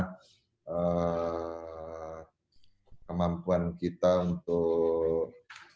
kemampuan kita untuk